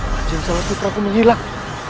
hancur salah putra pun menghilang